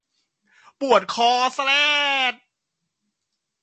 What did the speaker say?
ปวดคอแสรด